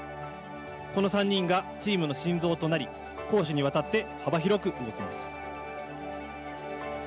この３人がチームの心臓となり攻守にわたって幅広く動きます。